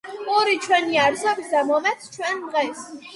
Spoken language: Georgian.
პური ჩვენი არსობისა მომეც ჩუენ დღეს